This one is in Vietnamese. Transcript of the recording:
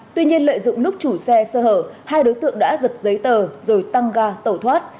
tuy nhiên lợi dụng lúc chủ xe sơ hở hai đối tượng đã giật giấy tờ rồi tăng ga tẩu thoát